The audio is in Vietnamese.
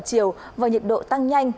và chiều vào nhiệt độ tăng nhanh